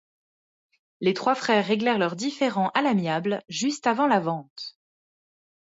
Les trois frères réglèrent leur différend à l'amiable juste avant la vente.